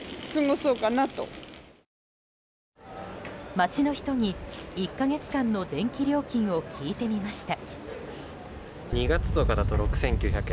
街の人に１か月間の電気料金を聞いてみました。